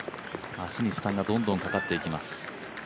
足に負担がどんどんかかっていきます。